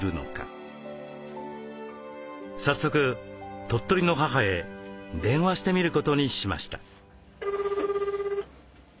早速鳥取の母へ電話してみることにしました。